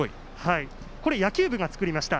これ野球部が作りました。